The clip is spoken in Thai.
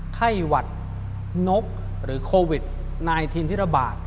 ไข้หวัดนกหรือโควิด๑๙ที่ระบาด